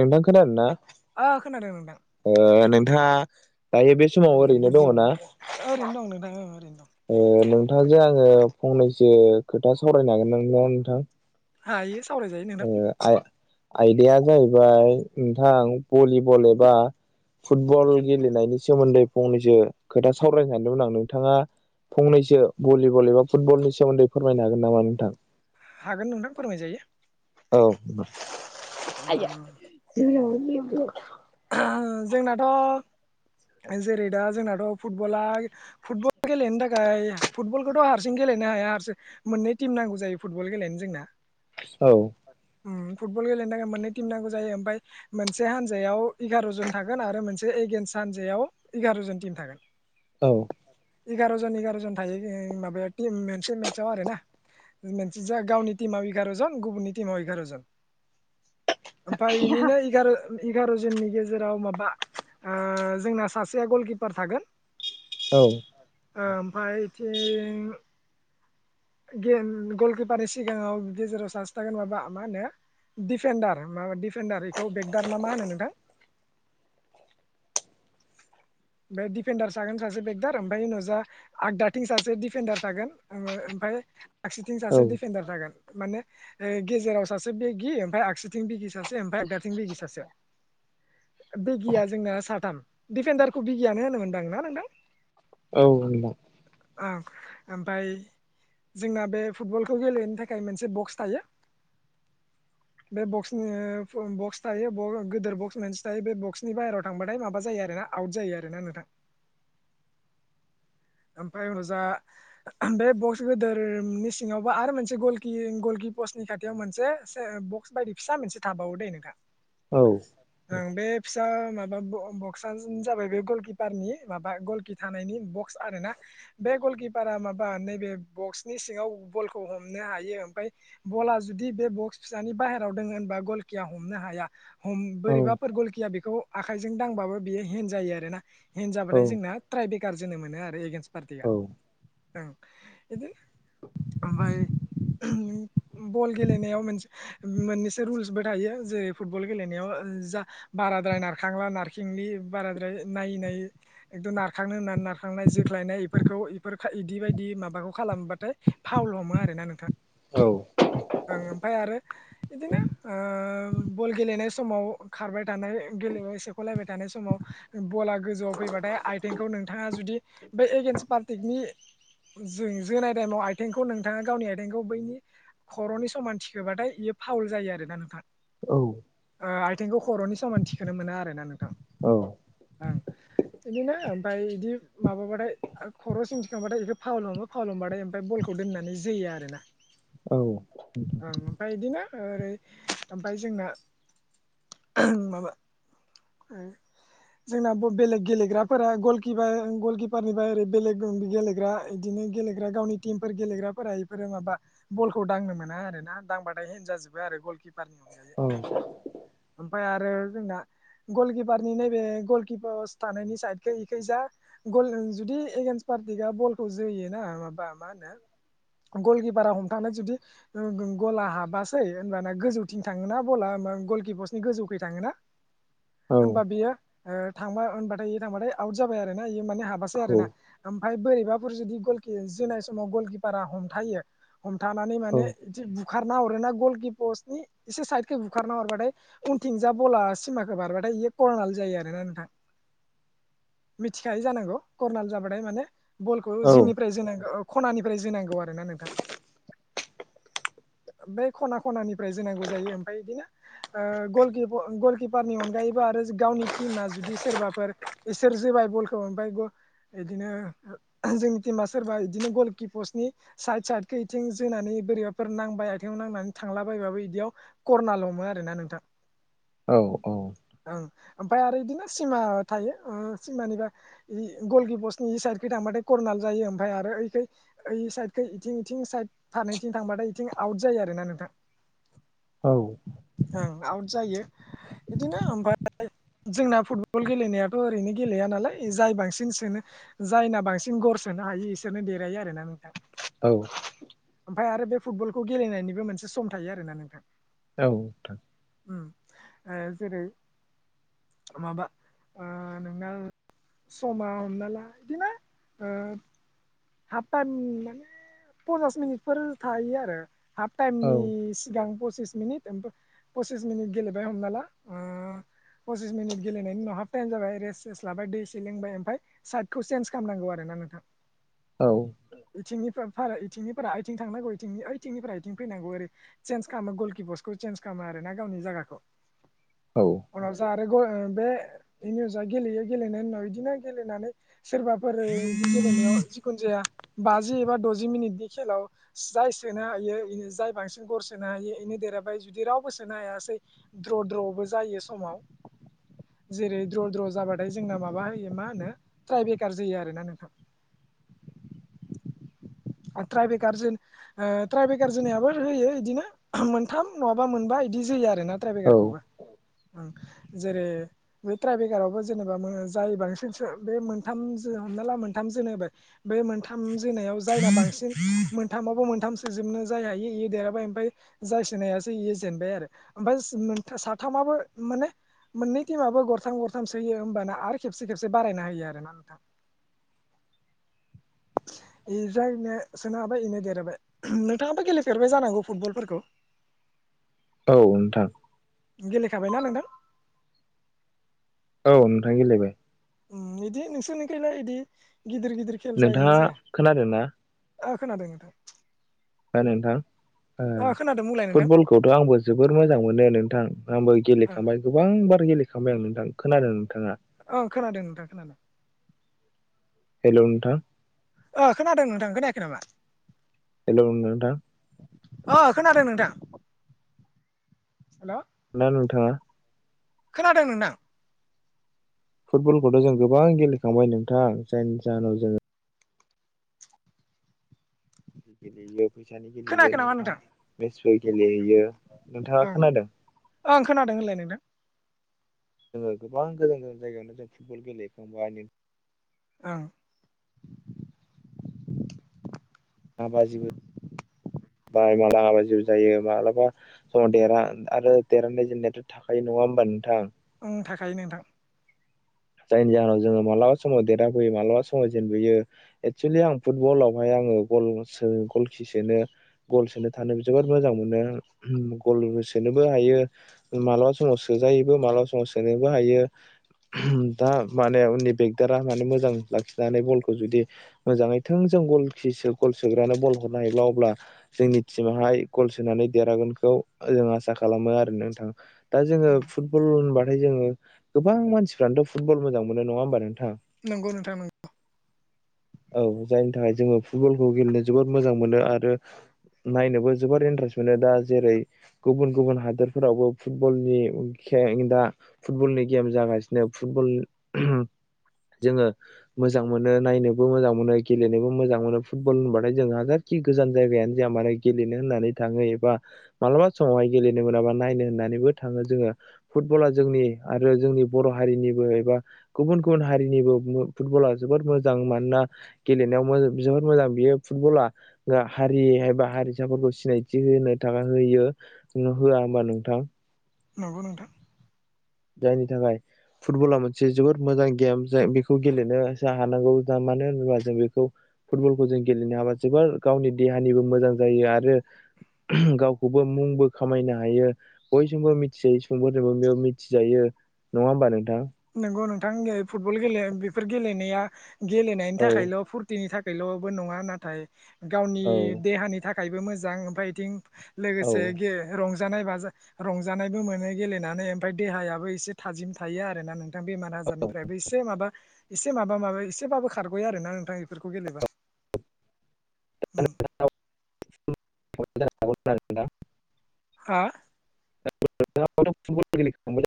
नोंथां खोनादोंना? ओ खोनादों नोंथां। नोंथाङा दायो बे समाव ओरैनो दङ ना? ओरैनो दं नोंथां औ ओरैनो दं। ओ नोंथांजों आङो फंनैसो खोथा सावरायनो हागोन ना नोंथां? हायो। सावरायजायो नोंथां ओ आ-आयदाया जाहैबाय नोंथां भलिबल एबा फुटबल गेलेनायनि सोमोन्दै फंनैसो खोथा सावरायनो सानदोंमोन आं, नोंथाङा फंनैसो भलिबल एबा फुटबलनि सोमोन्दै फोरमायनो हागोन नामा नोंथां? हागोन नोंथां फोरमायजायो। औ [inaudible] उम जोंनाथ' जेरै दा जोंनाथ' फुटबला फुटबल गेलेनो थाखाय फुटबलखौथ' हारसिं गेले नो हाया, मोननै टिम नांगौ जायो फुटबल गेलेनो जोंना। औ ओम फुटबल गेलेनो थाखाय मोननै टिम नांगौ जायो। ओमफ्राय मोनसे हानजायाव एगार' जन थागोन आरो मोनसे एगेयन्स हानजायाव एगार' जन टिम थागोन। औ एगार' जन एगार' जन थायो बे माबाया टिम मोनसे मेटचाव आरो ना। मोनसे जा गावनि टिमाव एगार' जन गुबुननि टिमाव एगार' जन‌। ओमफ्राय बेनिनो एगार' एगार' जननि गेजेराव माबा ओ जोंना सासेया गलकिपार थागोन औ ओमफ्राय बिथिं गेम गलकिपारनि सिगाङाव गेजेराव सासे थागोन माबा मा होनो दिफेन्डार माबा दिफेन्डार बेखौ बेगदार ना मा होनो नोंथां ओमफ्राय दिफेन्डार सागोन सासे बेगदार ओमफ्राय उनाव जा आगदाथिं सासे दिफेडार थागोन फाइ आगसिथिं औ सासे दिडफेडार थागोन माने गेजेराव सासे बेगि ओमफ्राय आगसिथिं बिगि सासे ओमफाय बिगि जोंना साथामार खौ बिगियानो होनोमोनदांना नोंथां औ नोंथां ओं ओमफ्राय जोंना बे फुटबलखौ गेलेनो थाखाय मोनसे बक्स थायो [inaudible] बे बक्सनि बक्स थायो गदिर बक्स मोनसे थायो बे बक्सनि बाहेरायाव थांबाथाय माबा जायो आरोना आउट जायो आरोना नोंथां [inaudible] ओमफ्राय उनाव जा बे बक्स गदोरनि सिङावबा आरो मोनसे गलखि गलि पसनि खाथियाव मोनसे बक्स बायदि फिसा मोनसे थाबावो दे नोंथां औ दा माबा बक्स जाबाय बे गलकिपारनि मा गलखि थानायनि बक्स आरो ना बे गलकिपारा माबा नैबे बक्सनि सिङाव बलखौ हमनो हायो ओमफफ्राय बला जुदि बे बक्स फिसानि बाहेराव होनबा गलखिया हमनो हाया हम औ बोरैबाफोर गलखिया बेखौ आखाइजों दांबाबो बियो हेन जायो आरो ना औ हिनजाबाथाय जोंना ट्राय बेखारार जोनो मोनो आरो एगेेनस्ट पार्टिया औ ओं बिदिनो ओमफ्राय बल गेलेनायाव मोनसे मोननैसो रुल्सबो थायो जेरै फुटबल गेलेनायाव जा बारा बारा द्राइनार खांला नारखांलि सिंलि बाराद्राय नायै नायै एकदम नारखांनो होननानै नारखांनाय जोख्लायनाय बेफोरखौ बिदि बायदि माबाखौ खालामबाथाय फावल हमो आर ना नोंथा औ ओं ओमफाय आरो बिदिनोओ बल गेलेनाय समाव खारबाय थानाय गेलेनाय एसे सेखलायबाय थानाय समाव बला गोजौआव फैबाथाय आइथिंखौ नोंथाङा जुदि बे एगेेनस् पार्टिकनि जों जोनाय टाइमाव आथिंखौ नोंथाङा गावनि आथिंखौ बैनि खर'नि समान थिखोबाथाय बियो फाउल जायो आरो ना नोंथां आथिंखौ खर'नि समान थिखोनो मोन आरो ना नों औ ओं बिदिनो ओमफाय बिदि माबाबाथाय खर'सिमथिखांबाथाय बेखौ फावल हमो फावल हमबाथाय बलखौ दोन्नानै जोयो आरो ना औ ओं ओमफाय बिदिनो ओरै ओमफ्राय जोंना [unintelligible] जोंना बेलेग गेलेग्राफोरा गलकिपारनिफ्राय ओरै बेलेग गेलेग्रा बिदिनो गेलेग्रा गावनि टिमफोर गेलेग्राफोरा बेफोरो माबा बलखौ दांनो मोना आरो ना दांबाथाय हेनजाजोबो गलिकिपारनि अनगायै ओमफाय आरो जोंना गलकिपारनि नैबे गलकिपार थानायनि साइदखौ इखाय जा गल जुदि एगन्सपारति बिगआ बलखौ जोयोना माबा मा होनो गलकिपारा हमथानो जुदि [unintelligible] गला हाबासै होनबाना गोजौथिं थाङोना बला ओं गलकिपसनि गोजौखै थाङोना? होनबा बियो ओ थांबा होनबाथाय इयो थांबाथाय आउट जाबाय आरो ना इयो। माने हाबासै आरोना ओमफ्राय बोरैबाफोर जुदि गलकि जोनाय समाव गलकिपारा हमथायो हमथानानै माने [unintelligible] बुखारना हरोना गलकिपस्नि इसे साइदखै बुखारना हरबाथाय उनथिंजा बला सिमा बारबाथाय इयो कर'नाल' जायो आरोना नोंथां। मिथिखायो जानांगौ कर्नाल जाबाथाय माने बलखौ जिंनिफ्राय जोनांगौ औ खनानिफ्राय जोनांगौ आरो ना नोंथां। [inaudible] बे खना खनानिफ्राय जोनांगौ जायो ओमफाय इदिनो ओ गलकिप गलकिप पारनि अनगायैबो आरो गावनि टिमा जुदि सोरबाफोर इसोर जोबाय बलखौ ओमफाय [unintelligible] इदिनो जोंनि टिमा सोरबा इदिनो गलकिपसनि साइद साइदखौ इथिं जोनानै बोरै फोर नांबाय आथिंङाव नांनानै थांलाबायबाबो इदियाव करनाल हमो आरो ना नोंथां। औ औ ओं ओमफ्राय आरो बिदिनो सिमा थायो ओ सिमानिबा गलकिपसनि साइडखै [unintelligible] थांबाथाय कर्नाल जायो ओमफाय आरो यैखै यै साइडखै इथिं इथिं साइड थानायथिं थांबाथाय इथिं आउट जायो आरोना नोंथां। औ ओं आउट जायो इदिनो ओमफाय जोंना फुटबल गेलेनायाथ' ओरैनो गेलेया नालाय जाय बांसिन सोनो जायना बांसिन गल होसोनो हायो इसोरनो देरहायो आरोना नोंथा। ओमफाय आरो बे फुटबलखौ गेलेनायनिबो मोनसे सम थायो आरोना नोंथां। औ नोंथां। उम ओ जेरै माबा ओ नोंना समा हमना ला इदिनो ओ हाफ टाइम माने पन्सास मिनिटफोर थायो आरो हाफ टाइमनि सिगां [unintelligible] पसिस मिनिट ओम पसिस मिनिट गेलेबाय हमना ला ओ पसिस मिनिट गेलेनायनि उनाव हाब टाइम जाबाय रेस्ट सेेस लाबाय दैसै लोंबाय ओमफाय साइटखौ चेन्ज खालामनांगौ आरो नोंथां इथिंनिफ्राय इथिंनिफ्राय यैथिं थांनांगौ यैथिंनि यैथिंनिफ्रा इथिं फैनांगौ आरै चेन्ज खामो गलकिपारसखौ चेन्ज खामो आरो गावनि जागाखौ उनाव जा आरो बे इनिजा गेलेयो गेलेनायनि उनाव इदिनो गेलेनानै सोरबाफोर इदि गेलेनायाव खुनु जाया बाजि एबा द'जि मिनिटनि खेलाव जाय सोनो हायो जाय बांसिन गर सोनो हायो इनो देराबाय जुदि रावबो सोनो हायासै द्र' द्र'बो जायो समाव जेरै द्र' द्र' जाबाथाय जोंना माबा हो मा होनो ट्राय बेखार जायो आरो ना नोंथा। [inaudible] ट्राइबेकारजोन ओ ट्राइबेकार जोनायाबो होयो बिदिनो मोनथाम नङाबा मोनबा बिदि जोयो आरोना ट्राइबेकारखौबो [unintelligible] जेरै बे ट्राइबेगकारावबो जेनेबा जाय बांसिन सो बे मोनथाम जो म्हमना ला मोनथाम जोनो होबाय बे मोनथाम जोनायाव जायना बांसिन मोनथामावबो मोनथाम सोजोबनो जाय हायो इयो देराबाय ओमफाय जाय सोनो हायासै इयो [unintelligible] बाय आरो ओमफाय साथामाबो माने मोननै टिमाबबो गरथाम गरथाम सोयो होमबाना आरो खेबसे खेबसे बारायना होयो आरोना नोंथां। [inaudible] इ जायनो सोनो हाबाय बेनो देराय नोंथाङाबो गेलेफेरबाय जानांगौ फुटबलफोरखौ? औ नोंथां। गेलेखाबायना नोंथां? औ नोंथां गेलेबाय। बिदि नोंसोरनिखैलाय बिदि गिदिर गिदिर नोंथाङा खोनादों ना? ओ खोनादों नोंथां नोंथां ओ खोनादों बुंलाय नोंथां फुटबल खौथ' आंबो जबोर मोजां मोनो नोंथां आंबो ओं गेलेखांबाय गोबां बार गेलेखांबाय आं नोंथां खोनादों नोंथाङा ओं खोनादों नोंथां खोनादों हेलो नोंथां खोनादों नोंथां खोनायाखै नामा? हेलो नोंथां? अ खोनादों नोंथां। हेलो ना नोंथाङा खोनादों नोंथां फुटबलखौथ' जों गोबां गेलेखांबाय नोंथां जायनि जाहोनाव जोङो गेलेयो। फैसानि गेलेयो खोनायाखै नामा नोंथां मेचबो गेलेहैयो नोंथाङा ओं खोनादों? ओं खोनादों होनलाय नोंथां जोङो गोबां गोजान गोजान जायगायावनो जों फुटबल गेलेहैखांबाय ओं ना बाजिबो बाय मालाबा जिउ जायो मालाबा समाव देरहा आरो देरहानाय जेननायाथ' थाखायो नङा होमबा नोंथां उंंम थाखाय नोंथां जायनि जाहोनाव जोङो मालाबा समाव देरहाबोयो मालाबा समाव जेनबोयो एक्सुेलि आं फुटबलावहाय आं ग गल खि सोनो गल सोनो थानो जोबोर मोजां मोनो गल सोनोबो हायो मालाबा समाव सोजायोबो मालाबा समाव सोनोबो हायो दा माने उननि बेगदारा माने मोजां लाखिनानै बलखौ जुदि मोजांयै थों जों गल खि गल सोग्रानो बल हरनो हायोब्ला अब्ला जोंनि टिमाहाय गल सोनानै देरहागोनखौ जोंहा आसा खालामो आरो नोंथां दा जोङो फुटबल होनबाथाय जोङो गोबां मानसिफ्रानोथ' फुबल मोजां मोनो नङा होनबा नोंथां नंगौ नोंथां नंगौ औ जायनि थाखाय जोङो फुटबलखौ गेलेनो जोबोद मोजां मोनो आरो नायनोबो जोबोर इन्टारेस्ट मोनो दा जेरै गुबुन गुबुन हादोरफोरावबो फुटबलनि दा फुटबलनि गेम जागासिनो फुटबल जोङो मोजां मोनो नायनोबो मोजां मोनो गेलेनोबो मोजां मोनो फुटबल होनबाथाय जोंहा खि गोजान जायगायानो जाया मानो गेलेनो होननानै थांहोयोब्ला मालाबा समावहाय गेलेनो मोनाबा नायनो होननानै बेबो थांङो जों हारिनिबो एबा गुबुन गुबुन हारिनिबो फुटबला जोबोद मोजां मानोना गेलेनायाव जोबोद मोजां बियो फुटबला हारिबा हारिसाफोरखौ सिनायथि होनो थाखाय होयो। होआ होनबा नोंथां। नंगौ नोंथां। जायनि थाखाय फुटबला मोनसे जोबोद मोजां गेम जाय बेखौ गेलेनो हानांगौ। मानो होनोबा जों बेखौ फुटबलखौ जों गेलेनो हाबा जोबोर गावनि देहानिबो मोजां जायो आरो गावखौबो मुंबो खामायनो हायो बयजोंबो मिथिजायो सुबुंफोरजोबो मिथिजायो नङा होमबा नोंथां। नंगौ नोंथां फुटबल गेले बेफोर गेलेनाया गेलेनायनि औ थाखायल' फुरथिनि थाखाय ल'बो नङा नाथाय गावनि औ देहानि थाखायबो मोजां ओमफ्राय बिथिं औ लोगोसे गे रंजा रंजानाय बाजा रंजानायबो मोनो गेलेनानै ओमफ्राय देहायाबो एसे थाजिम थायो आरो ना नों बेमार आजारनिफ्रायबो इसे माबा एसे माबा माबा एसेबाबो खारग'यो आरो ना नोंथां। इफोरखौ गेलेबा ओम। [inaudible] हा ब गेले [inaudible]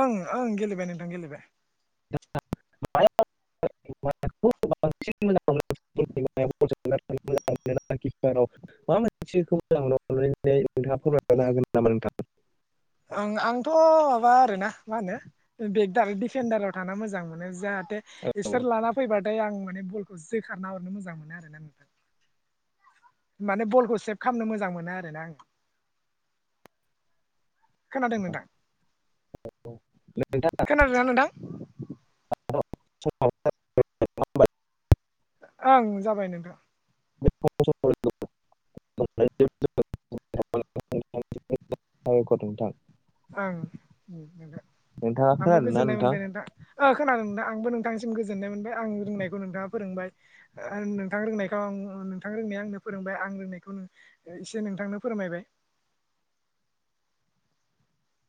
ओं ओं गेलेबाय नोंथां गेलेबाय। [unintelligible] [inaudible] [unintelligible] ओं आंथ' माबा आरोना मा होनो बेगदार दिफेनडाराव थाना मोजां मोनो जाह औ इसोर नोंथां लाना फैबाथाय आं माने बलखौ जोखारना हरनो मोजां मोनो आरोना नोंथां। माने बलखौ सेभ खालामनो मोजां मोनो आरो ना आं। खोनादों नोंथां औ। नोंथाङाथ' खोनादोंना नोंथां? [unintelligible] ओं जाबाय नोंथां। [unintelligible] [unintelligible] ओं नोंथां नोंथाङा आंबो खोनादोंना गोजोननाय नोंथां? मोनबाय नोंथां खोनादों नोंथां आं आंबो नोंथांसिम गोजोननाय मोनबाय आं रोंनायखौ नोंथाङा फोरोंबाय नोंथां रोंनायखौ आंनो फोरोंबाय आं रोंनायखौ एसे नोंथांनो फोरमायबाय। [inaudible]